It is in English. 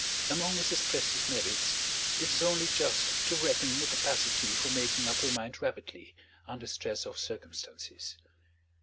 Among Mrs. Presty's merits, it is only just to reckon a capacity for making up her mind rapidly, under stress of circumstances.